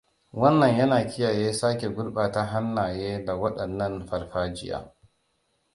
Wannan yana kiyaye sake gurbata hannaye da wadannan farfajiya.